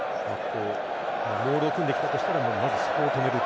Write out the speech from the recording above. モールを組んできたとしたらまずは、そこを止める。